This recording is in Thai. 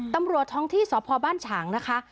ตำรวจท้องที่สพบ้านฉางนะคะ